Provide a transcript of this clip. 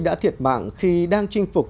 đã thiệt mạng khi đang chinh phục